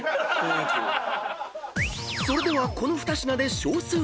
［それではこの２品で少数決］